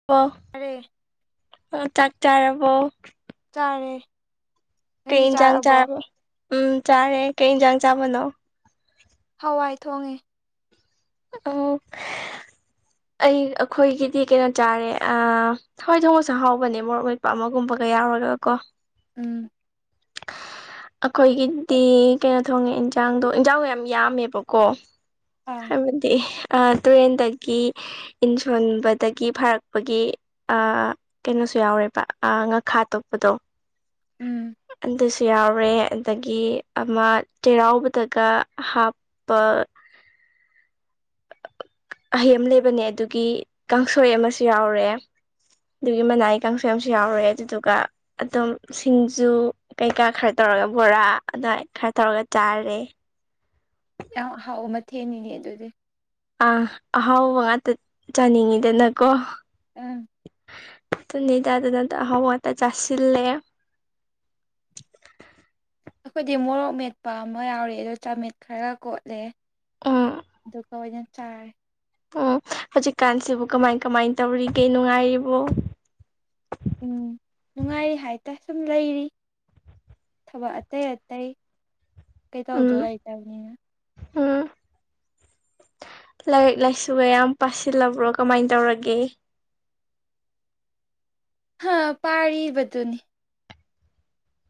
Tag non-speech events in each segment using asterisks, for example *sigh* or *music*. *unintelligible* *unintelligible* ꯑꯣ ꯆꯥꯛ ꯆꯥꯔꯕꯣ ꯆꯥꯔꯦ ꯀꯩ ꯅꯪꯗꯤ ꯏꯟꯁꯥꯡ ꯆꯥꯔꯕꯣ ꯆꯥꯔꯒꯦ ꯎꯝ ꯆꯥꯔꯦ ꯀꯩ ꯌꯦꯟꯁꯥꯡ ꯆꯥꯕꯅꯣ ꯍꯋꯥꯏ ꯊꯣꯡꯉꯦ ꯑꯣ ꯑꯩ ꯑꯩꯈꯣꯏꯒꯤꯗꯤ ꯀꯩꯅꯣ ꯆꯥꯔꯦ ꯑꯥ ꯊꯋꯥꯏ ꯊꯣꯡꯁꯨ ꯍꯥꯎꯕꯅꯦ ꯃꯣꯔꯣꯛ ꯃꯠꯄ ꯑꯃꯒꯨꯝꯕꯒ ꯌꯥꯎꯔꯒ ꯀꯣ ꯎꯝ ꯑꯩꯈꯣꯏꯒꯤꯗꯤ ꯀꯩꯅꯣ ꯊꯣꯡꯉꯦ ꯏꯟꯖꯥꯡꯗꯣ ꯏꯟꯖꯥꯡ ꯌꯥꯝ ꯌꯥꯝꯃꯦꯕꯀꯣ ꯑꯥ ꯇꯨꯔꯦꯟꯗꯒꯤ ꯏꯟꯁꯣꯟꯕꯗꯒꯤ ꯐꯥꯔꯛꯄꯒꯤ ꯀꯩꯅꯣꯁꯨ ꯌꯥꯎꯔꯦꯕ ꯉꯥꯈꯥ ꯇꯣꯞꯄꯗꯣ ꯎꯝ ꯑꯗꯨꯁꯨ ꯌꯥꯎꯔꯦ ꯑꯗꯒꯤ ꯑꯃ ꯆꯩꯔꯥꯎꯕꯗꯒ ꯍꯥꯞꯄ ꯑꯍꯩ ꯑꯃ ꯂꯩꯕꯅꯦ ꯑꯗꯨꯒꯤ ꯀꯥꯡꯁꯣꯏ ꯑꯃꯁꯨ ꯌꯥꯎꯔꯦ ꯑꯗꯨꯒꯤ ꯃꯅꯥꯏ ꯀꯥꯡꯁꯣꯢ ꯑꯃꯁꯨ ꯌꯥꯎꯔꯦ ꯑꯗꯨꯗꯨꯒ ꯑꯗꯨꯝ ꯁꯤꯡꯖꯨ ꯀꯩꯀꯥ ꯈꯔ ꯇꯧꯔꯒ ꯕꯣꯔꯥ ꯑꯗꯨꯃꯋꯥꯏ ꯈꯔ ꯇꯧꯔꯒ ꯆꯥꯔꯦ ꯌꯥꯝ ꯍꯥꯎꯕ ꯃꯊꯦꯟꯅꯤꯅꯦ ꯑꯗꯨꯗꯤ ꯑꯥ ꯑꯍꯥꯎꯕ ꯉꯥꯛꯇ ꯆꯥꯅꯤꯡꯉꯤꯗꯅꯀꯣ ꯎꯝ ꯑꯗꯨꯅꯤꯗ ꯑꯍꯥꯎꯕ ꯉꯥꯛꯇ ꯆꯥꯁꯤꯜꯂꯦ ꯑꯩꯈꯣꯏꯗꯤ ꯃꯣꯔꯣꯛ ꯃꯦꯠꯄ ꯑꯃ ꯌꯥꯎꯔꯦ ꯑꯗꯨꯒ ꯆꯥꯃꯦꯠ ꯈꯔꯒ ꯀꯣꯠꯂꯦ ꯎꯝ ꯑꯗꯨꯒ ꯑꯣꯏꯅ ꯆꯥꯔꯦ ꯎꯝ ꯍꯧꯖꯤꯛꯀꯥꯟꯁꯤꯕꯨ ꯀꯃꯥꯏ ꯀꯃꯥꯏ ꯇꯧꯔꯤꯒꯦ ꯅꯨꯡꯉꯥꯏꯔꯤꯕꯣ ꯎꯝ ꯅꯨꯡꯉꯥꯏꯔꯤ ꯍꯥꯏꯇꯥꯢ ꯁꯨꯝ ꯂꯩꯔꯤ ꯊꯕꯛ ꯑꯇꯩ ꯑꯇꯩ ꯀꯩꯇꯧꯗꯧ ꯂꯩꯇꯥꯃꯤꯅ ꯑꯥ ꯂꯥꯏꯔꯤꯛ ꯂꯥꯏꯁꯨꯒ ꯌꯥꯝ ꯄꯥꯁꯤꯜꯂꯥꯕ꯭ꯔꯣ ꯀꯃꯥꯏꯅ ꯇꯧꯔꯒꯦ ꯍꯥ ꯄꯥꯔꯤꯕꯗꯨꯅꯤ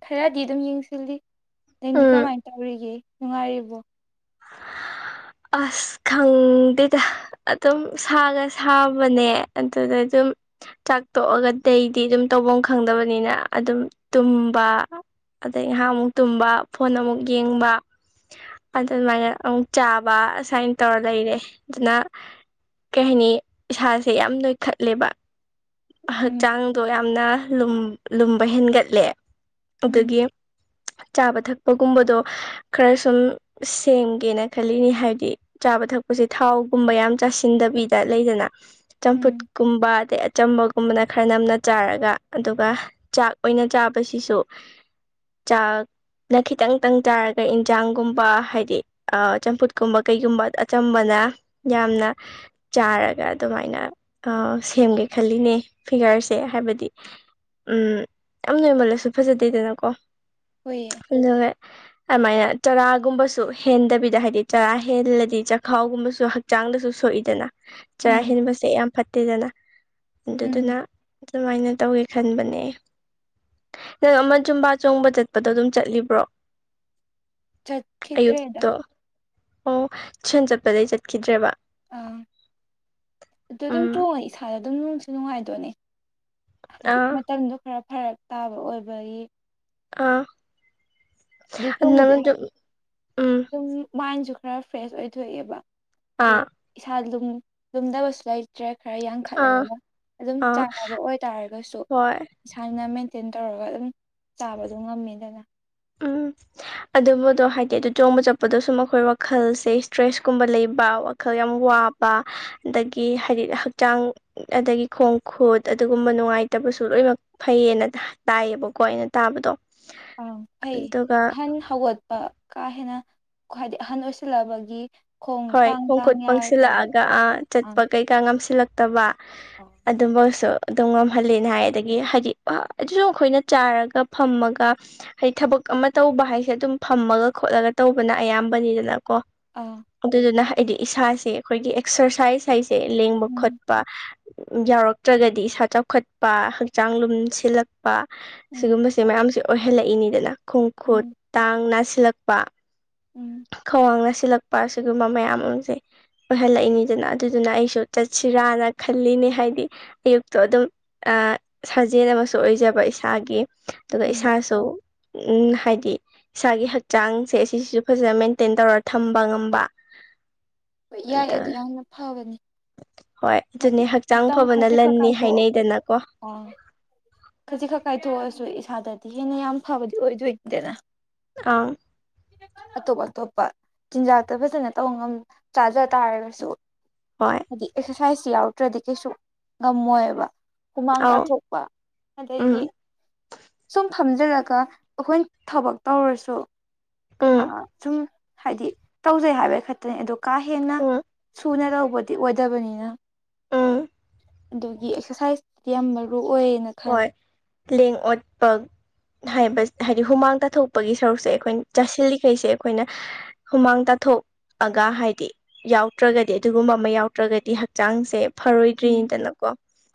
ꯈꯔꯗꯤ ꯑꯗꯨꯝ ꯌꯦꯡꯁꯤꯜꯂꯤ ꯅꯪꯗꯤ ꯎꯝ ꯀꯃꯥꯏꯅ ꯇꯧꯔꯤꯒꯦ ꯅꯨꯡꯉꯥꯏꯔꯤꯕꯣ ꯑꯁ ꯈꯪꯗꯦꯗ ꯑꯗꯨꯝ ꯁꯥꯒ ꯁꯥꯕꯅꯦ ꯑꯗꯨꯅ ꯑꯗꯨꯝ ꯆꯥꯛ ꯇꯣꯛꯑꯒ ꯑꯗꯤ ꯑꯗꯨꯝ ꯇꯧꯐꯝ ꯈꯪꯗꯕꯅꯤꯅ ꯑꯗꯨꯝ ꯇꯨꯝꯕ ꯑꯗꯩ ꯉꯍꯥꯛ ꯑꯃꯨꯛ ꯇꯨꯝꯕ ꯐꯣꯟ ꯑꯃꯨꯛ ꯌꯦꯡꯕ ꯑꯗꯨꯃꯥꯏꯅ ꯑꯃꯨꯛ ꯆꯥꯕ ꯁꯨꯃꯥꯏꯅ ꯇꯧꯔ ꯂꯩꯔꯦ ꯑꯗꯨꯅ ꯀꯩ ꯍꯥꯏꯅꯤ ꯏꯁꯥꯁꯦ ꯌꯥꯝ ꯅꯣꯏꯈꯠꯂꯦꯕ ꯎꯝ ꯍꯛꯆꯥꯡꯗꯣ ꯌꯥꯝꯅ ꯂꯨꯝꯕ ꯍꯦꯟꯒꯠꯂꯦ ꯎꯝ ꯑꯗꯨꯗꯒꯤ ꯆꯥꯕ ꯊꯛꯄꯒꯨꯝꯕꯗꯣ ꯈꯔ ꯁꯨꯝ ꯁꯦꯝꯒꯦꯅ ꯈꯜꯂꯤꯅꯤ ꯍꯥꯏꯗꯤ ꯆꯥꯕ ꯊꯛꯄꯁꯦ ꯊꯥꯎꯒꯨꯝꯕ ꯌꯥꯝ ꯆꯥꯁꯤꯟꯗꯕꯤꯗ ꯂꯩꯗꯅ ꯆꯝꯐꯨꯠ ꯎꯝ ꯀꯨꯝꯕ ꯑꯗꯩ ꯑꯆꯝꯕꯛ ꯃꯨꯟꯕꯅ ꯈꯔ ꯅꯝꯅ ꯆꯥꯔꯒ ꯑꯗꯨꯒ ꯆꯥꯛ ꯑꯣꯏꯅ ꯆꯥꯕꯁꯤꯁꯨ ꯆꯥꯛꯅ ꯈꯤꯇꯪꯇꯪ ꯆꯥꯔꯒ ꯏꯟꯁꯥꯡꯒꯨꯝꯕ ꯍꯥꯏꯗꯤ ꯑ ꯆꯝꯐꯨꯠꯀꯨꯝꯕ ꯀꯩꯒꯨꯝꯕ ꯑꯆꯝꯕꯅ ꯌꯥꯝꯅ ꯆꯥꯔꯒ ꯑꯗꯨꯃꯥꯏꯅ ꯑꯥ ꯁꯦꯝꯒꯦ ꯈꯜꯂꯤꯅꯦ ꯐꯤꯒꯔꯁꯦ ꯍꯥꯏꯕꯗꯤ ꯎꯝ ꯌꯥꯝ ꯅꯣꯏꯃꯜꯂꯁꯨ ꯐꯖꯗꯦꯗꯅꯀꯣ ꯍꯨꯏꯌꯦ ꯑꯗꯨ ꯉꯩ ꯑꯃꯥꯏꯅ ꯆꯔꯥꯒꯨꯝꯕꯁꯨ ꯍꯦꯟꯗꯕꯤꯗ ꯍꯥꯏꯗꯤ ꯆꯔꯥ ꯍꯦꯜꯂꯗꯤ ꯆꯈꯥꯎꯒꯨꯝꯕꯁꯨ ꯍꯛ ꯆꯥꯡꯗꯁꯨ ꯁꯣꯛꯏꯗꯅ ꯆꯔꯥ ꯎꯝ ꯍꯦꯟꯕꯁꯦ ꯌꯥꯝ ꯐꯠꯇꯦꯗꯅ ꯑꯗꯨꯗꯨ ꯎꯝ ꯑꯗꯨꯅ ꯑꯗꯨꯃꯥꯏꯅ ꯇꯧꯋꯦ ꯈꯟꯕꯅꯦ ꯅꯪ ꯑꯃ ꯆꯨꯝꯕꯥ ꯆꯣꯡꯕ ꯆꯠꯄꯗꯣ ꯑꯗꯨꯝ ꯆꯠꯂꯤꯕ꯭ꯔꯣ ꯆꯠꯈꯤꯗ꯭ꯔꯦꯗ ꯑꯌꯨꯛꯇꯣ ꯑꯣ ꯁꯦꯟ ꯆꯠꯄꯗꯩ ꯆꯠꯈꯤꯗ꯭ꯔꯦꯕ ꯑꯥ ꯑꯗꯨ ꯑꯗꯨꯝ ꯎꯝ ꯆꯣꯡꯉꯤ ꯏꯁꯥ ꯑꯗꯨꯝ ꯅꯨꯡꯁꯨ ꯅꯨꯡꯉꯥꯏꯗꯣꯏꯅꯦ ꯍꯥꯏꯗꯤ ꯑꯥ ꯃꯇꯝꯗꯣ ꯈꯔ ꯐꯔꯛ ꯇꯥꯕ ꯑꯣꯏꯕꯒꯤ ꯑꯥ ꯑꯗꯨ ꯆꯣꯡꯉꯨꯗꯤ ꯍꯥꯏꯗꯤ ꯎꯝ ꯑꯗꯨꯝ ꯃꯥꯏꯟꯁꯨ ꯈꯔ ꯐ꯭ꯔꯦꯁ ꯑꯣꯏꯊꯣꯛꯑꯦꯕ ꯗꯤ ꯑꯥ ꯏꯁꯥ ꯂꯨꯝ ꯂꯨꯝꯗꯥꯕꯁꯨ ꯂꯩ ꯆꯔ ꯈꯔ ꯑꯥ ꯌꯥꯡꯈꯠꯂꯒ ꯑꯗꯨꯝ ꯑꯥ ꯆꯥꯟꯅꯕ ꯑꯣꯏꯇꯥꯥꯔꯒꯁꯨ ꯍꯣꯏ ꯏꯁꯥꯅ ꯃꯦꯟꯇꯦꯟ ꯇꯧꯔꯒ ꯑꯗꯨꯝ ꯆꯥꯕꯗꯣ ꯉꯝꯃꯦꯗꯅ ꯎꯝ ꯑꯗꯨꯕꯨꯗꯣ ꯍꯥꯏꯗꯤ ꯑꯗꯨ ꯆꯣꯡꯕ ꯆꯠꯄꯗ ꯁꯨꯝ ꯃꯥꯈꯣꯏ ꯋꯥꯈꯜꯁꯦ ꯏꯁꯇ꯭ꯔꯦꯁ ꯀꯨꯝꯕ ꯂꯩꯕ ꯋꯥꯛ ꯈꯔꯝ ꯋꯥꯕ ꯑꯗꯒꯤ ꯍꯥꯏꯗꯤ ꯍꯛꯆꯥꯡ ꯑꯗꯒꯤ ꯈꯣꯡ ꯈꯨꯨꯠ ꯑꯗꯨꯒꯨꯝꯕ ꯅꯨꯡꯉꯥꯏꯇꯕꯁꯨ ꯂꯣꯏꯅ ꯐꯩꯌꯦꯅ ꯇꯥꯏꯌꯦꯕꯀꯣ ꯑꯩꯅ ꯇꯥꯕꯗꯣ ꯑ ꯐꯩ ꯑꯗꯨꯒ ꯑꯍꯟ ꯍꯜꯂꯛ ꯄꯥ ꯀꯥꯍꯦꯟꯅ ꯈꯋ꯭ꯥꯏꯗꯤ ꯑꯍꯟ ꯑꯣꯏꯁꯤꯜꯂꯑꯕꯒꯤ ꯈꯣꯡ ꯍꯣꯏ ꯇꯥꯡ ꯇꯥꯡ ꯈꯣꯡꯈꯨꯠ ꯌꯥꯔ *unintelligible* ꯀꯩ ꯉꯝꯁꯤꯜꯂꯛꯇꯕ ꯑꯗꯨꯝꯕꯁꯨ ꯑꯗꯨꯝ ꯉꯝꯍꯜꯂꯤꯅꯦ ꯍꯥꯏ ꯑꯗꯒꯤ ꯍꯥꯏꯗꯤ ꯑꯗꯨꯁꯨ ꯑꯩꯈꯣꯏꯅ ꯆꯥꯔꯒ ꯐꯝꯃꯒ ꯍꯩ ꯊꯕꯛ ꯑꯃ ꯇꯧꯕ ꯍꯥꯏꯁꯦ ꯑꯗꯨꯝ ꯐꯝꯃꯒ ꯈꯣꯠꯂꯜꯂ ꯇꯧꯕꯅ ꯑꯌꯥꯝꯕꯅꯤꯗꯅꯀꯣ ꯑꯥ ꯑꯗꯨꯗꯨꯅ ꯍꯥꯏꯗꯤ ꯏꯁꯥꯁꯦ ꯑꯩꯈꯣꯏꯒꯤ ꯑꯦꯛꯁꯔꯁꯥꯏꯁ ꯍꯥꯏꯁꯦ ꯂꯦꯡꯕ ꯎꯝ ꯈꯣꯠꯄ ꯌꯥꯎꯔꯛꯇ꯭ꯔꯒꯗꯤ ꯏꯁꯥ ꯆꯥꯎꯈꯠꯄ ꯍꯛꯆꯥꯡ ꯂꯨꯝ ꯁꯤꯜꯂꯛꯄ ꯎꯝ ꯁꯤꯒꯨꯝꯕꯁ ꯁꯤ ꯃꯌꯥꯝꯁꯦ ꯑꯣꯏꯍꯜꯂꯛꯏꯅꯤꯗꯅ ꯈꯣꯡ ꯈꯨꯨꯠ ꯎꯝ ꯇꯥꯡ ꯅꯥꯁꯤꯜꯂꯛꯄ ꯎꯝ ꯈꯣꯡ ꯅꯁꯤꯜꯂꯛꯄ ꯑꯁꯤꯒꯨꯝꯕ ꯃꯌꯥꯝ ꯑꯃꯁꯦ ꯑꯣꯏꯍꯜꯂꯛꯏꯅꯤꯗꯅ ꯑꯗꯨꯗꯨꯅ ꯑꯩꯁꯨ ꯆꯠꯁꯤꯔꯥꯅ ꯈꯜꯂꯤꯅꯦ ꯍꯥꯏꯗꯤ ꯑꯌꯨꯛꯇꯣ ꯑꯗꯨꯝ ꯑ ꯁꯥꯖꯦꯜ ꯑꯃꯁꯨ ꯑꯣꯏꯖꯕ ꯏꯁꯥꯒꯤ ꯑꯗꯨꯒ ꯎꯝ ꯏꯁꯥꯁꯨ ꯎꯝ ꯍꯥꯏꯗꯤ ꯏꯁꯥꯒꯤ ꯍꯛꯆꯥꯡꯁꯦ ꯑꯁꯤꯁꯤꯁꯨ ꯐꯖ ꯃꯦꯟꯇꯦꯟ ꯇꯧꯔ ꯊꯝꯕ ꯉꯝꯕ ꯍꯣꯏ ꯌꯥꯏ ꯑꯗ ꯑꯗꯨ ꯅꯪꯅ ꯐꯕꯅꯤ ꯍꯣꯏ ꯍꯥꯏꯗꯤ ꯑꯗꯨꯅꯦ ꯍꯛꯆꯥꯡ ꯐꯕꯅ ꯂꯟꯅꯤ ꯍꯥꯏꯅꯩꯗꯅꯀꯣ ꯑꯣ ꯈꯖꯤꯛ ꯈꯛ ꯀꯥꯏꯊꯣꯛꯑꯁꯨ ꯏꯁꯥꯗꯗꯤ ꯍꯦꯟꯅ ꯌꯥꯝ ꯐꯕꯗꯤ ꯑꯣꯏꯗꯣꯏꯅꯤꯗꯅ ꯑꯥ꯫ ꯑꯇꯣꯞ ꯑꯇꯣꯞꯄ꯫ ꯆꯤꯟꯖꯥꯛꯇ ꯐꯖꯅ ꯇꯧ ꯉꯝ ꯆꯥꯖ ꯇꯥꯔꯒꯁꯨ ꯍꯣꯏ꯫ ꯍꯥꯏꯗꯤ ꯑꯦꯛꯁꯔꯁꯥꯏꯁ ꯌꯥꯎꯗ꯭ꯔꯗꯤ ꯀꯩꯁꯨ ꯉꯝꯃꯣꯏꯕ꯫ ꯍꯨꯃꯥꯡ ꯑꯧ ꯇꯥꯊꯣꯛꯄ ꯎꯝ ꯑꯗꯒꯤ ꯁꯨꯝ ꯐꯝꯖꯤꯜꯂꯒ ꯑꯩꯈꯣꯏ ꯊꯕꯛ ꯇꯧꯔꯁꯨ ꯎꯝ ꯑꯥ ꯁꯨꯝ ꯍꯥꯏꯗꯤ ꯇꯧꯖꯩ ꯍꯥꯏꯕꯩ ꯈꯛꯇꯅꯦ ꯑꯗꯣ ꯀꯥ ꯍꯦꯟꯅ ꯎꯝ ꯁꯨꯅ ꯇꯧꯕꯗꯤ ꯑꯣꯏꯗꯕꯅꯤꯅ ꯎꯝ ꯑꯗꯨꯒꯤ ꯑꯦꯛꯁꯔꯁꯥꯏꯁꯇꯤ ꯌꯥꯝ ꯃꯔꯨ ꯑꯣꯏꯌꯦꯅ꯫ ꯍꯣꯏ ꯈꯜꯂꯦ ꯂꯦꯡ ꯑꯣꯠꯄ ꯍꯥꯏꯕ ꯍꯥꯏꯗꯤ ꯍꯨꯃꯥꯡ ꯇꯥꯊꯣꯛꯄꯒꯤ ꯁꯔꯨꯛꯁꯦ ꯑꯩꯈꯣꯏꯅ ꯆꯥꯁꯤꯜꯂꯤꯈꯩꯁꯦ ꯑꯩꯈꯣꯏꯅ ꯍꯨꯃꯥꯡ ꯇꯥꯊꯣꯛ ꯑꯒꯥ ꯍꯥꯏꯗꯤ ꯌꯥꯎꯗ꯭ꯔꯒꯗꯤ ꯑꯗꯨꯒꯨꯝꯕ ꯑꯃ ꯌꯥꯎꯗ꯭ꯔꯒꯗꯤ ꯍꯛꯆꯥꯡꯁꯦ ꯎꯝ ꯐꯔꯣꯏꯗ꯭ꯔꯤꯅꯤꯗꯅꯀꯣ꯫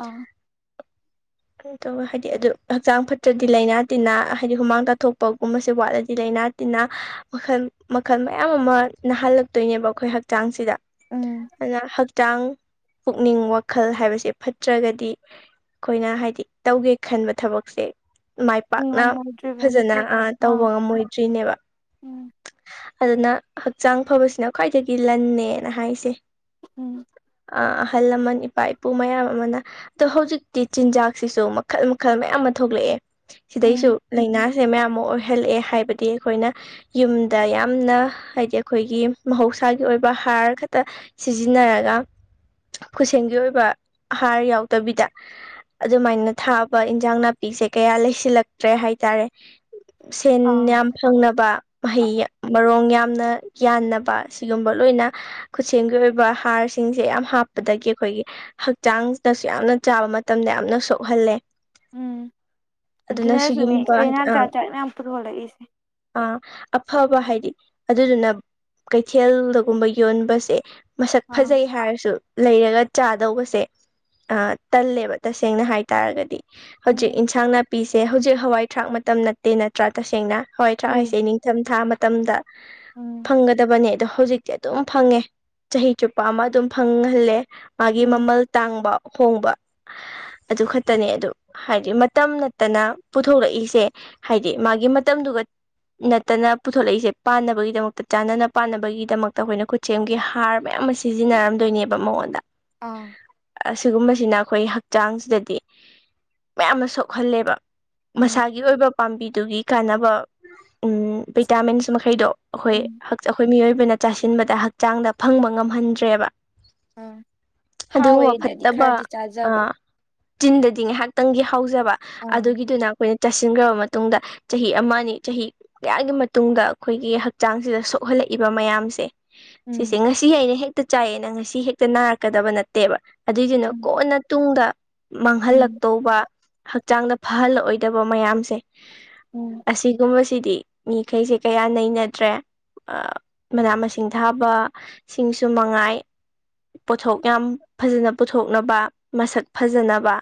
ꯑꯥ꯫ ꯀꯩ ꯇꯧꯕ ꯍꯥꯏꯗꯤ ꯑꯗꯨ ꯍꯛꯆꯥꯡ ꯐꯠꯇ꯭ꯔꯗꯤ ꯂꯩꯅꯥ ꯇꯤꯟꯅꯥ ꯍꯥꯏꯗꯤ ꯍꯨꯃꯥꯡ ꯇꯥꯊꯣꯛꯄꯒꯨꯝꯕꯁꯦ ꯋꯥꯠꯂꯗꯤ ꯂꯩꯅꯥ ꯇꯤꯟꯅꯥ ꯃꯈꯜ ꯃꯈꯜ ꯃꯌꯥꯝ ꯑꯃ ꯅꯥꯍꯜꯂꯛꯇꯣꯏꯅꯦꯕ ꯑꯩꯈꯣꯏ ꯍꯛꯆꯥꯡꯁꯤꯗ꯫ ꯎꯝ꯫ ꯑꯗꯨꯅ ꯍꯛꯆꯥꯡ ꯄꯨꯛꯅꯤꯡ ꯋꯥꯈꯜ ꯍꯥꯏꯕꯁꯦ ꯐꯠꯇ꯭ꯔꯒꯗꯤ ꯑꯩꯈꯣꯏꯅ ꯍꯥꯏꯗꯤ ꯇꯧꯒꯦ ꯈꯟꯕ ꯊꯕꯛꯁꯦ ꯃꯥꯏ ꯄꯥꯛꯅ ꯉꯝꯃꯣꯏꯗ꯭ꯔꯤꯕꯅꯤ ꯐꯖꯅ ꯇꯧꯕ ꯑꯥ ꯉꯝꯃꯣꯏꯗ꯭ꯔꯤꯅꯦꯕ꯫ ꯎꯝ ꯑꯗꯨꯅ ꯍꯛꯆꯥꯡ ꯐꯕꯁꯤꯅ ꯈ꯭ꯋꯥꯏꯗꯒꯤ ꯂꯟꯅꯦꯅ ꯍꯥꯏꯁꯦ꯫ ꯎꯝ꯫ ꯑ ꯑꯍꯜ ꯂꯃꯟ ꯏꯄꯥ ꯏꯄꯨ ꯃꯌꯥꯝ ꯑꯃꯅ ꯑꯗꯣ ꯍꯧꯖꯤꯛ ꯇꯤ ꯆꯤꯟꯖꯥꯛꯁꯤꯁꯨ ꯃꯈꯜ ꯃꯈꯜ ꯃꯌꯥꯝ ꯑꯃ ꯊꯣꯛꯂꯛꯑꯦ ꯁꯤꯗꯩꯁꯨ ꯎꯝ ꯂꯥꯏꯅꯥꯁꯦ ꯃꯌꯥꯝ ꯑꯃ ꯑꯣꯏꯍꯜꯂꯛꯑꯦ ꯍꯥꯏꯕꯗꯤ ꯑꯩꯈꯣꯏꯅ ꯌꯨꯝꯗ ꯌꯥꯝꯅ ꯍꯥꯏꯗꯤ ꯑꯩꯈꯣꯏꯒꯤ ꯃꯍꯧꯁꯥꯒꯤ ꯑꯣꯏꯕ ꯍꯥꯔ ꯈꯛꯇ ꯁꯤꯖꯤꯟꯅꯔꯒ ꯈꯨꯠꯁꯦꯝꯒꯤ ꯑꯣꯏꯕ ꯍꯥꯔ ꯌꯥꯎꯗꯕꯤꯗ꯫ ꯑꯗꯨꯃꯥꯏꯅ ꯊꯥꯕ ꯏꯟꯁꯥꯡ ꯅꯥꯄꯤꯁꯦ ꯀꯌꯥ ꯂꯩꯁꯤꯜꯂꯛꯇ꯭ꯔꯦ ꯍꯥꯏꯇꯥꯔꯦ꯫ ꯁꯦꯟ ꯑꯥ ꯌꯥꯝ ꯐꯪꯅꯕ ꯃꯍꯩ ꯃꯔꯣꯡ ꯌꯥꯝꯅ ꯌꯥꯟꯅꯕ ꯁꯤꯒꯨꯝꯕ ꯂꯣꯏꯅ ꯈꯨꯠꯁꯦꯝꯒꯤ ꯑꯣꯏꯕ ꯍꯥꯔꯁꯤꯡꯁꯦ ꯌꯥꯝ ꯍꯥꯞꯄꯗꯒꯤ ꯑꯩꯈꯣꯏꯒꯤ ꯍꯛꯆꯥꯡꯗꯁꯨ ꯌꯥꯝꯅ ꯆꯥꯕ ꯃꯇꯝꯗ ꯌꯥꯝꯅ ꯁꯣꯛꯍꯜꯂꯦ꯫ ꯎꯝ ꯑꯗꯨꯅ ꯑꯗꯨꯅꯁꯨꯅꯦ ꯁꯤꯒꯨꯝꯕ ꯍꯥꯏꯗꯤ ꯂꯩꯅꯥ ꯑ ꯖꯥꯠ ꯖꯥꯠ ꯃꯌꯥꯝ ꯄꯨꯊꯣꯂꯛꯏꯁꯦ꯫ ꯑꯥ ꯑꯐꯕ ꯍꯥꯏꯗꯤ ꯑꯗꯨꯗꯨꯅ ꯀꯩꯊꯦꯜꯗꯒꯨꯝꯕ ꯌꯣꯟꯕꯁꯦ ꯃꯁꯛ ꯑꯥ ꯐꯖꯩ ꯍꯥꯏꯔꯁꯨ ꯂꯩꯔꯒ ꯆꯥꯗꯧꯕꯁꯦ ꯑ ꯇꯜꯂꯦꯕ ꯇꯁꯦꯡꯅ ꯍꯥꯏꯇꯥꯔꯒꯗꯤ ꯍꯧꯖꯤꯛ ꯎꯝ ꯏꯟꯁꯥꯡ ꯅꯥ ꯄꯤꯁꯦ ꯍꯧꯖꯤꯛ ꯍꯋꯥꯏ ꯊꯔꯥꯛ ꯃꯇꯝ ꯅꯠꯇꯦ ꯅꯠꯇ꯭ꯔꯥ ꯇꯁꯦꯡꯅ ꯍꯋꯥꯏ ꯊꯔꯥꯛ ꯍꯨꯏ ꯍꯥꯏꯁꯦ ꯅꯤꯡ ꯊꯝ ꯊꯥ ꯃꯇꯝꯗ ꯎꯝ꯫ ꯐꯪꯒꯗꯕꯅꯦ ꯑꯗꯣ ꯍꯧꯖꯤꯛꯇꯤ ꯑꯗꯨꯝ ꯐꯪꯉꯦ ꯆꯍꯤ ꯆꯨꯞꯄ ꯑꯃ ꯑꯗꯨꯝ ꯐꯪꯍꯜꯂꯦ꯫ ꯃꯥꯒꯤ ꯎꯝ ꯃꯃꯜ ꯇꯥꯡꯕ ꯍꯣꯡꯕ ꯑꯗꯨ ꯈꯛꯇꯅꯦ ꯑꯗꯨ ꯍꯥꯏꯗꯤ ꯃꯇꯝ ꯅꯠꯇꯅ ꯄꯨꯊꯣꯛꯂꯛꯏꯁꯦ ꯍꯥꯏꯗꯤ ꯃꯥꯒꯤ ꯃꯇꯝꯗꯨꯒ ꯅꯠꯇꯅ ꯄꯨꯊꯣꯔꯂꯛꯏꯁꯦ ꯄꯥꯟꯅꯕꯒꯤꯗꯃꯛꯇ ꯆꯥꯟꯅꯅ ꯄꯥꯟꯅꯕꯒꯤꯗꯃꯛꯇ ꯑꯩꯈꯣꯏꯅ ꯈꯨꯠ ꯆꯦꯝꯒꯤ ꯍꯥꯔ ꯃꯌꯥꯝ ꯑꯃ ꯁꯤꯖꯤꯟꯅꯔꯝꯗꯣꯏꯅꯦꯕ ꯃꯉꯣꯟꯗ ꯑꯥ ꯑꯁꯤꯒꯨꯝꯕꯁꯤꯅ ꯑꯩꯈꯣꯏ ꯍꯛꯆꯥꯡꯁꯤꯗꯗꯤ ꯃꯌꯥꯝ ꯑꯃ ꯁꯣꯛꯍꯜꯂꯦꯕ ꯎꯝ ꯃꯁꯥꯒꯤ ꯑꯣꯏꯕ ꯄꯥꯝꯕꯤꯗꯨꯒꯤ ꯀꯥꯟꯅꯕ ꯎꯝ ꯚꯤꯇꯥꯃꯤꯟꯁ ꯃꯈꯩꯗꯣ ꯑꯩꯈꯣꯏ ꯎꯝ ꯑꯩꯈꯣꯏ ꯃꯤꯑꯣꯏꯕꯅ ꯆꯥꯁꯤꯟꯕꯗ ꯍꯛꯆꯥꯡꯗ ꯐꯪꯕ ꯉꯝꯍꯟꯗ꯭ꯔꯦꯕ ꯑꯥ ꯑꯗꯨꯒꯨꯝꯕ ꯍꯥꯎꯋꯦꯅꯗꯤ ꯐꯠꯇꯕ ꯈꯔꯗꯤ ꯆꯥꯖꯕ ꯆꯤꯟꯗꯗꯤ ꯉꯥꯏꯍꯥꯛꯇꯪꯒꯤ ꯍꯧꯖꯕ ꯑꯥ ꯑꯗꯨꯒꯤꯗꯨꯅ ꯑꯩꯈꯣꯏꯅ ꯆꯥꯁꯤꯟꯈ꯭ꯔꯕ ꯃꯇꯨꯡꯗ ꯆꯍꯤ ꯑꯃ ꯑꯅꯤ ꯆꯍꯤ ꯀꯌꯥꯒꯤ ꯃꯇꯨꯡꯗ ꯑꯩꯈꯣꯏꯒꯤ ꯍꯛꯆꯥꯡꯁꯤꯗ ꯁꯣꯛꯍꯜꯂꯛꯏꯕ ꯃꯌꯥꯝꯁꯦ ꯁꯤꯁꯦ ꯎꯝ ꯉꯁꯤ ꯑꯩꯅ ꯍꯦꯛꯇ ꯆꯥꯏꯑꯦꯅ ꯉꯁꯤ ꯍꯦꯛꯇ ꯅꯥꯔꯛꯀꯗꯕ ꯅꯠꯇꯦꯕ ꯑꯗꯨꯏꯗꯨꯅ ꯎꯝ ꯀꯣꯟꯅ ꯇꯨꯡꯗ ꯎꯝ ꯃꯥꯡꯍꯜꯂꯛꯇꯧꯕ ꯍꯛꯆꯥꯡꯗ ꯐꯍꯜꯂꯛꯑꯣꯏꯗꯕ ꯃꯌꯥꯝꯁꯦ ꯎꯝ ꯑꯁꯤꯒꯨꯝꯕꯁꯤꯗꯤ ꯃꯤꯈꯩꯁꯦ ꯀꯌꯥ ꯅꯩꯅꯗ꯭ꯔꯦ ꯃꯅꯥ ꯃꯁꯤꯡ ꯊꯥꯕ ꯁꯤꯡꯁꯨ ꯃꯉꯥꯏ ꯄꯣꯠꯊꯣꯛ ꯌꯥꯝ ꯐꯖꯅ ꯄꯨꯊꯣꯛꯅꯕ ꯃꯁꯛ ꯐꯖꯅꯕ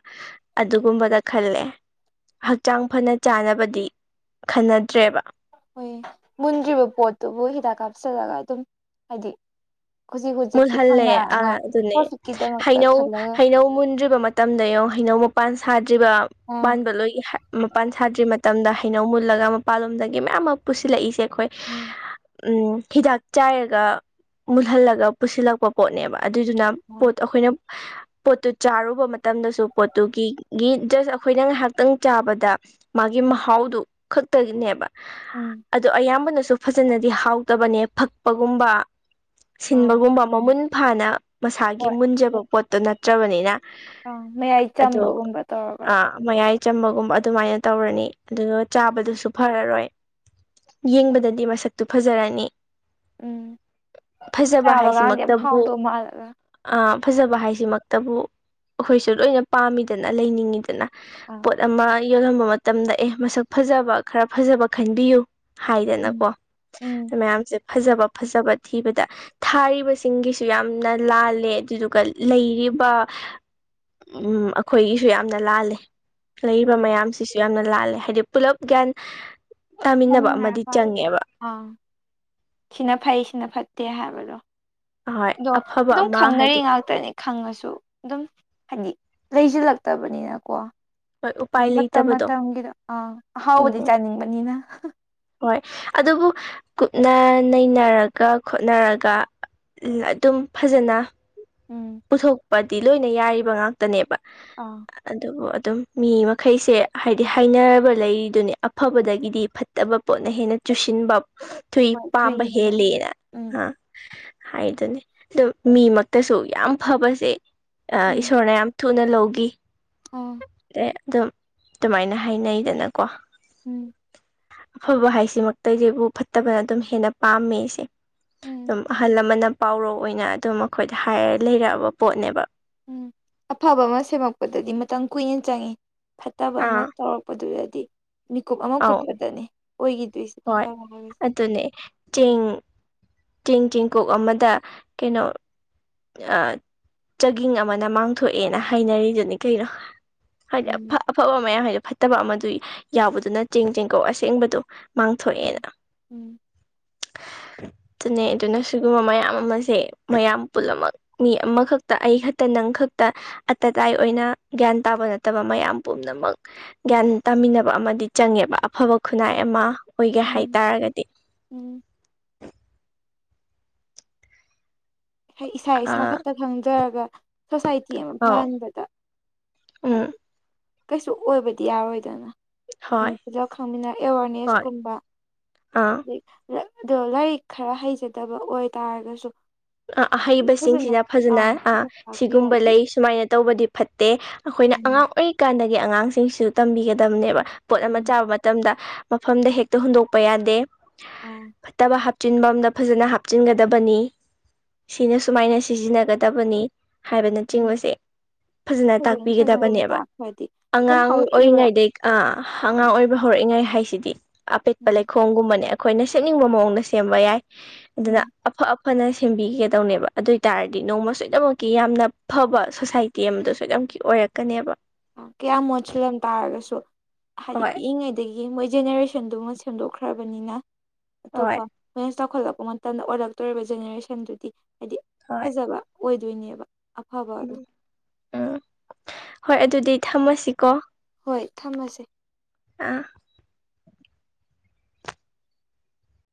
ꯑꯗꯨꯒꯨꯝꯕꯗ ꯈꯜꯂꯦ ꯍꯛꯆꯥꯡ ꯐꯅ ꯆꯥꯅꯕꯗꯤ ꯈꯟꯅꯗ꯭ꯔꯦꯕ ꯍꯣꯏ ꯃꯨꯟꯗ꯭ꯔꯤꯕ ꯄꯣꯠꯇꯨꯕꯨ ꯍꯤꯗꯥꯛ ꯀꯥꯞꯁꯤꯜꯂꯒ ꯑꯗꯨꯝ ꯍꯥꯏꯗꯤ ꯍꯧꯖꯤꯛ ꯍꯧꯖꯤꯛꯀꯤ ꯃꯨꯜꯍꯜꯂꯦ ꯑꯥ ꯐꯪꯅꯔꯉꯥꯏ ꯑꯗꯨꯅꯦ ꯄ꯭ꯔꯣꯐꯤꯠꯀꯤꯗꯃꯛꯇ ꯍꯩꯅꯧ ꯈꯜꯂꯒ ꯍꯩꯅꯧ ꯃꯨꯟꯗ꯭ꯔꯤꯕ ꯃꯇꯝꯗ ꯌꯦꯡꯉꯣ ꯍꯩꯅꯧ ꯃꯄꯥꯟ ꯁꯥꯗ꯭ꯔꯤꯕ ꯑꯥ ꯄꯥꯟꯕ ꯂꯣꯏ ꯃꯄꯥꯟ ꯁꯥꯗ꯭ꯔꯤ ꯃꯇꯝꯗ ꯍꯩꯅꯧ ꯃꯨꯜꯂꯒ ꯃꯄꯥꯟꯂꯣꯝꯗꯒꯤ ꯃꯌꯥꯝ ꯑꯃ ꯄꯨꯁꯤꯜꯂꯛꯏꯁꯦ ꯑꯩꯈꯣꯏ ꯎꯝ ꯎꯝ ꯍꯤꯗꯥꯛ ꯆꯥꯏꯔꯒ ꯃꯨꯜꯍꯜꯂꯒ ꯄꯨꯁꯤꯜꯂꯛꯄ ꯄꯣꯠꯅꯦꯕ ꯑꯗꯨꯏꯗꯨꯅ ꯑꯥ ꯄꯣꯠ ꯑꯩꯈꯣꯏꯅ ꯄꯣꯠꯇꯨ ꯆꯥꯔꯨꯕ ꯃꯇꯝꯗꯁꯨ ꯄꯣꯠꯇꯨꯒꯤ ꯒꯤ ꯖꯁ ꯑꯩꯈꯣꯏꯅ ꯉꯥꯏꯍꯥꯛꯇꯪ ꯆꯥꯕꯗ ꯃꯥꯒꯤ ꯃꯍꯥꯎꯗꯨ ꯈꯛꯇꯒꯤꯅꯦꯕ ꯎꯝ ꯑꯗꯨ ꯑꯌꯥꯝꯕꯅꯁꯨ ꯐꯖꯅꯗꯤ ꯍꯥꯎꯇꯕꯅꯦ ꯐꯛꯄꯒꯨꯝꯕ ꯁꯤꯟꯕ ꯑꯥ ꯃꯃꯨꯟ ꯐꯥꯅ ꯍꯣꯏ ꯃꯁꯥꯒꯤ ꯃꯨꯟꯖꯕ ꯄꯣꯠꯇꯣ ꯅꯠꯇ꯭ꯔꯕꯅꯤꯅ ꯑꯥ ꯃꯌꯥꯏ ꯑꯗꯣ ꯆꯝꯕꯒꯨꯝꯕ ꯇꯧꯔꯒ ꯃꯌꯥꯏ ꯆꯝꯕꯒꯨꯝꯕ ꯑꯗꯨꯃꯥꯏꯅ ꯇꯧꯔꯅꯤ ꯑꯗꯨꯒ ꯆꯥꯕꯗꯨꯁꯨ ꯐꯔꯔꯣꯏ ꯌꯦꯡꯕꯗꯗꯤ ꯃꯁꯛꯇꯤ ꯐꯖꯔꯅꯤ ꯎꯝ ꯐꯖꯕ ꯆꯥꯕ ꯀꯥꯟꯗꯤ ꯌꯥꯝ ꯍꯥꯏꯁꯤꯃꯛꯇꯕꯨ ꯍꯥꯎꯗꯧ ꯃꯥꯜꯂꯒ ꯑꯥ ꯐꯖꯕ ꯍꯥꯏꯁꯤꯃꯛꯇꯕꯨ ꯑꯩꯈꯣꯏꯁꯨ ꯂꯣꯏꯅ ꯄꯥꯝꯃꯤꯗꯅ ꯂꯩꯅꯤꯡꯉꯤꯗꯅ ꯑꯥ ꯄꯣꯠ ꯑꯃ ꯌꯣꯜꯂꯝꯕ ꯃꯇꯝꯗ ꯑꯦ ꯃꯁꯛ ꯐꯖꯕ ꯈꯔ ꯐꯖꯕ ꯈꯟꯕꯤꯌꯨ ꯎꯝ ꯍꯥꯏꯗꯅꯀꯣ ꯎꯝ ꯃꯌꯥꯝꯁꯦ ꯐꯖꯕ ꯐꯖꯕ ꯊꯤꯕꯗ ꯊꯥꯔꯤꯕ ꯁꯤꯡꯒꯤꯁꯨ ꯌꯥꯝꯅ ꯂꯥꯜꯂꯦ ꯑꯗꯨꯗꯨꯒ ꯂꯩꯔꯤꯕ ꯎꯝ ꯑꯩꯈꯣꯏꯒꯤꯁꯨ ꯌꯥꯝꯅ ꯂꯥꯜꯂꯦ ꯂꯩꯔꯤꯕ ꯍꯣꯏ ꯃꯌꯥꯝꯁꯤꯁꯨ ꯌꯥꯝꯅ ꯂꯥꯜꯂꯦ ꯍꯥꯏꯗꯤ ꯄꯨꯂꯞ ꯒ꯭ꯌꯥꯟ ꯇꯥꯃꯤꯟꯅꯕ ꯑꯃꯗꯤ ꯆꯥꯃꯤꯟꯅꯔꯀꯥꯟꯗ ꯆꯪꯉꯦꯕ ꯑꯥ ꯁꯤꯅ ꯐꯩ ꯁꯤꯅ ꯐꯠꯇꯦ ꯍꯥꯏꯕꯗꯣ ꯍꯣꯏ ꯑꯗꯣ ꯑꯐꯕ ꯑꯗꯨꯝ ꯑꯃ ꯈꯪꯅꯔꯤ ꯍꯥꯏꯗꯤ ꯉꯥꯛꯇ ꯈꯛꯇꯅꯤ ꯈꯪꯉꯁꯨ ꯑꯗꯨꯝ ꯍꯥꯏꯗꯤ ꯂꯩꯁꯤꯜꯂꯛꯇꯕꯅꯤꯅꯀꯣ꯫ ꯍꯣꯏ ꯎꯄꯥꯏ ꯃꯇꯝ ꯂꯩꯇꯕꯗꯣ ꯃꯇꯝꯒꯤꯗꯣ ꯑꯥ ꯑꯍꯥꯎꯕꯗꯤ ꯎꯝ ꯆꯥꯅꯤꯡꯕꯅꯤꯅ꯫ ꯍꯣꯏ ꯑꯗꯨꯕꯨ ꯀꯨꯞꯅ ꯅꯩꯅꯔꯒ ꯈꯣꯠꯅꯔꯒ ꯑꯗꯨꯝ ꯐꯖꯅ ꯎꯝ꯫ ꯄꯨꯊꯣꯛꯄꯗꯤ ꯂꯣꯏꯅ ꯌꯥꯔꯤꯕ ꯉꯥꯛꯇꯅꯦꯕ꯫ ꯑꯥ꯫ ꯑꯗꯨꯕꯨ ꯑꯗꯨꯝ ꯃꯤ ꯃꯈꯩꯁꯦ ꯍꯥꯏꯗꯤ ꯍꯥꯏꯅꯕ ꯂꯩꯔꯤꯗꯨꯅꯦ ꯑꯐꯕꯗꯒꯤꯗꯤ ꯐꯠ ꯇꯕ ꯄꯣꯠꯅ ꯍꯦꯟꯅ ꯆꯨꯁꯤꯟꯕ ꯊꯨꯏ ꯍꯣꯏ ꯄꯥꯝꯕ ꯊꯨꯏꯌꯦꯅ ꯍꯦꯜꯂꯦꯅ ꯎꯝ ꯑꯥ꯫ ꯍꯥꯏꯗꯨꯅꯦ ꯑꯗꯨ ꯃꯤꯃꯛꯇꯁꯨ ꯌꯥꯝ ꯐꯕꯁꯦ ꯏꯁꯣꯔꯅ ꯌꯥꯝ ꯊꯨꯅ ꯂꯧꯒꯤ꯫ ꯎꯝ꯫ ꯑꯦ ꯑꯗꯨꯝ ꯑꯗꯨꯃꯥꯏꯅ ꯍꯥꯏꯅꯩꯗꯅꯀꯣ꯫ ꯎꯝ꯫ ꯑꯐꯕ ꯍꯥꯏꯁꯤꯃꯛꯇꯁꯤꯕꯨ ꯐꯠꯇꯕꯅ ꯑꯗꯨꯝ ꯍꯦꯟꯅ ꯄꯥꯝꯃꯦꯁꯦ꯫ ꯎꯝ ꯑꯗꯨꯝ ꯑꯍꯜ ꯂꯃꯟꯅ ꯄꯥꯎꯔꯧ ꯑꯣꯏꯅ ꯑꯗꯨꯝ ꯑꯩꯈꯣꯏꯗ ꯍꯥꯏꯔ ꯂꯩꯔꯛꯑꯕ ꯄꯣꯠꯅꯦꯕ꯫ ꯎꯝ ꯑꯐꯕ ꯑꯃ ꯁꯦꯝꯃꯛꯄꯗꯗꯤ ꯃꯇꯝ ꯀꯨꯏꯅ ꯆꯪꯏ ꯐꯠꯇꯕ ꯑꯃ ꯑꯥ ꯇꯧꯔꯛ ꯄꯗꯨꯗꯗꯤ ꯃꯤꯀꯨꯞ ꯑꯃ ꯑꯧ ꯀꯨꯞꯄꯗꯅꯦ ꯑꯣꯏꯈꯤꯗꯣꯏꯁꯤ ꯍꯣꯏ ꯐꯠꯇꯕ ꯍꯥꯏꯕꯁꯤꯗꯤ ꯑꯗꯨꯅꯦ ꯆꯦꯡ ꯎꯝ꯫ ꯆꯦꯡ ꯆꯦꯡꯀꯣꯛ ꯑꯃꯗ ꯀꯩꯅꯣ ꯑ ꯆꯒꯤꯡ ꯑꯃꯅ ꯃꯥꯡꯊꯣꯛꯑꯦꯅ ꯍꯥꯏꯅꯔꯤꯗꯨꯅꯤ ꯀꯩꯅꯣ꯫ ꯍꯥꯏꯗꯤ ꯑꯐ ꯎꯝ ꯑꯐꯕ ꯃꯌꯥꯝ ꯍꯥꯏꯗꯣ ꯐꯠꯇꯕ ꯑꯃꯗꯨ ꯌꯥꯎꯕꯗꯨꯅ ꯆꯦꯡ ꯆꯦꯡꯀꯧ ꯑꯁꯦꯡꯕꯗꯣ ꯃꯥꯡꯊꯣꯛꯑꯦꯅ꯫ ꯎꯝ ꯑꯗꯨꯅꯦ ꯑꯗꯨꯅ ꯁꯤꯒꯨꯝꯕ ꯃꯌꯥꯝ ꯑꯃꯁꯦ ꯃꯌꯥꯝ ꯄꯨꯝꯅꯃꯛ ꯃꯤ ꯑꯃꯈꯛꯇ ꯑꯩ ꯈꯛꯇ ꯅꯪ ꯈꯛꯇ ꯑꯇꯇꯥꯏ ꯑꯣꯏꯅ ꯒ꯭ꯌꯥꯟ ꯇꯥꯕ ꯅꯠꯇꯕ ꯃꯌꯥꯝ ꯄꯨꯝꯅꯃꯛ ꯒ꯭ꯌꯥꯟ ꯇꯥꯃꯤꯟꯅꯕ ꯑꯃꯗꯤ ꯆꯪꯉꯦꯕ ꯑꯐꯕ ꯈꯨꯟꯅꯥꯏ ꯑꯃ ꯑꯣꯏꯒꯦ ꯍꯥꯏꯇꯥꯔꯒꯗꯤ꯫ ꯎꯝ꯫ ꯍꯥꯏ ꯏꯁꯥ ꯏꯁꯥ ꯑꯥ ꯈꯛꯇ ꯈꯪꯖꯔꯒ ꯁꯣꯁꯥꯏꯇꯤ ꯑꯃ ꯑꯧ ꯐꯍꯟꯕꯗ ꯎꯝ ꯍꯥꯏꯗꯤ ꯀꯩꯁꯨ ꯑꯣꯏꯕꯗꯤ ꯌꯥꯔꯣꯏꯗꯅ꯫ ꯃꯤ ꯍꯣꯏ ꯄꯨꯜꯂꯞ ꯈꯪꯃꯤꯟꯅꯔ ꯍꯣꯏ ꯑꯦꯋꯥꯔꯅꯦꯁꯀꯨꯝꯕ ꯑꯥ ꯗꯩ ꯑꯗꯣ ꯂꯥꯏꯔꯤꯛ ꯈꯔ ꯍꯩꯖꯗꯕ ꯑꯣꯏꯇꯥꯔꯒꯁꯨ ꯑ ꯐꯖꯅ ꯑꯍꯩꯕꯁꯤꯡꯁꯤꯅ ꯐꯖꯅ ꯑꯥ ꯑ ꯐꯖꯅ ꯁꯤꯒꯨꯝꯕ ꯇꯥꯛꯄꯤꯔꯗꯤ ꯂꯩ ꯁꯨꯃꯥꯏꯅ ꯇꯧꯕꯗꯤ ꯐꯠꯇꯦ ꯑꯩꯈꯣꯏꯅ ꯎꯝ ꯑꯉꯥꯡ ꯑꯣꯏꯔꯤꯀꯥꯟꯗꯒꯤ ꯑꯉꯥꯡꯁꯤꯡꯁꯤꯁꯨ ꯇꯝꯕꯤꯒꯗꯕꯅꯦꯕ꯫ ꯄꯣꯠ ꯑꯃ ꯎꯝ ꯆꯥꯕ ꯃꯇꯝꯗ ꯃꯐꯝꯗ ꯍꯦꯛꯇ ꯍꯨꯟꯗꯣꯛꯄ ꯌꯥꯗꯦ꯫ ꯑꯥ꯫ ꯐꯠꯇꯕ ꯍꯥꯞꯆꯤꯟꯕꯝꯗ ꯐꯖꯅ ꯍꯥꯞꯆꯤꯟꯒꯗꯕꯅꯤ꯫ ꯁꯤꯅ ꯁꯨꯃꯥꯏꯅ ꯁꯤꯖꯤꯟꯅꯒꯗꯕꯅꯤ꯫ ꯎꯝ ꯍꯥꯏꯕꯅꯆꯤꯡꯕꯁꯦ ꯐꯖꯅ ꯐꯖꯅ ꯇꯥꯛꯄꯤꯒꯗꯕꯅꯦꯕ꯫ ꯇꯥꯛꯈ꯭ꯔꯗꯤ ꯑꯗꯨꯝ ꯑꯉꯥꯡ ꯍꯧꯔꯛꯏꯕ ꯑꯣꯏꯔꯤꯉꯩꯗꯩ ꯑꯥ ꯑꯉꯥꯡ ꯑꯥ ꯑꯣꯏꯕ ꯍꯧꯔꯛꯏꯉꯥꯏ ꯍꯥꯏꯁꯤꯗꯤ ꯑꯄꯦꯠꯄ ꯎꯝ ꯂꯩꯈꯣꯝꯒꯨꯝꯕꯅꯦ ꯑꯩꯈꯣꯏꯅ ꯁꯦꯝꯅꯤꯡꯕ ꯃꯑꯣꯡꯗ ꯁꯦꯝꯕ ꯌꯥꯏ ꯑꯗꯨꯅ ꯎꯝ ꯑꯐ ꯑꯐꯅ ꯁꯦꯝꯕꯤꯒꯗꯧꯅꯦꯕ ꯑꯗꯨ ꯑꯣꯏꯇꯥꯔꯗꯤ ꯅꯣꯡꯃ ꯁꯣꯏꯗꯃꯛꯀꯤ ꯌꯥꯝꯅ ꯐꯕ ꯁꯣꯁꯥꯏꯇꯤ ꯑꯃꯗꯣ ꯁꯣꯏꯗꯅꯃꯛꯀꯤ ꯑꯣꯏꯔꯛ ꯀꯅꯦꯕ꯫ ꯀꯌꯥꯝ ꯃꯣꯠꯁꯤꯜꯂꯝ ꯇꯥꯔꯒꯁꯨ ꯍꯥꯏꯗꯤ ꯍꯣꯏ ꯄꯤꯛꯏꯉꯩ ꯗꯒꯤ ꯃꯣꯏ ꯖꯦꯅꯦꯔꯦꯁꯟꯗꯨꯃ ꯁꯦꯝꯗꯣꯛꯈ꯭ꯔꯕꯅꯤꯅ ꯍꯣꯏ ꯑꯇꯣꯞꯄ ꯈꯣꯏꯅ ꯆꯥꯎꯈꯠꯂꯛꯄ ꯃꯇꯝꯗ ꯑꯣꯜꯂꯛꯇꯣꯔꯤꯕ ꯖꯦꯅꯦꯔꯦꯁꯟꯗꯨꯗꯤ ꯍꯥꯏꯗꯤ ꯍꯣꯏ ꯐꯖꯕ ꯑꯣꯏꯗꯣꯏꯅꯦꯕ ꯑꯐꯕ ꯑꯗꯣ ꯎꯝ ꯍꯣꯏ ꯑꯗꯨꯗꯤ ꯊꯝꯃꯁꯤꯀꯣ ꯍꯣꯏ ꯊꯝꯃꯁꯦ ꯑ